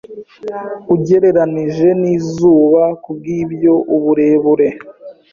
ugereranije nizuba Kubwibyo uburebure